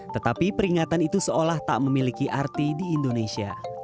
tetapi peringatan itu seolah tak memiliki arti di indonesia